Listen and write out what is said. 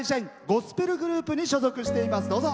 ゴスペルグループに所属しています。